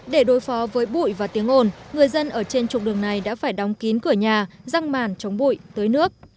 để đối phó với bụi và tiếng ồn người dân ở trên trục đường này đã phải đóng kín cửa nhà răng màn chống bụi tới nước